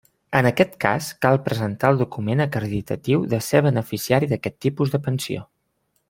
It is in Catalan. En aquest cas cal presentar el document acreditatiu de ser beneficiari d'aquest tipus de pensió.